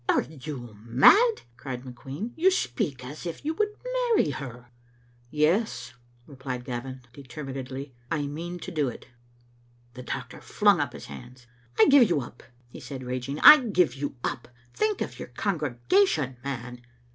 " Are you mad?" cried McQueen. " You speak as if you would marry her. " "Yes," replied Gavin, determinedly, "and I mean to doit." The doctor flung up his hands. "I give you up," he said, raging. "I give you up. Think of your congregation, man."